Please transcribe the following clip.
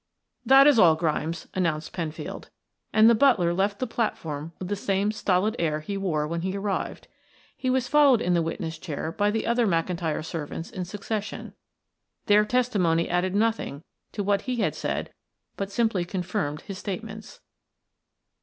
"That is all, Grimes," announced Penfield, and the butler left the platform with the same stolid air he wore when he arrived. He was followed in the witness chair by the other McIntyre servants in succession. Their testimony added nothing to what he had said but simply confirmed his statements.